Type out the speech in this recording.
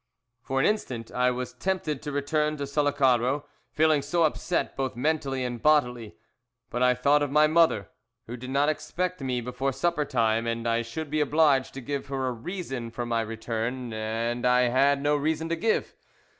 "For an instant I was tempted to return to Sullacaro, feeling so upset both mentally and bodily, but I thought of my mother, who did not expect me before supper time, and I should be obliged to give her a reason for my return, and I had no reason to give.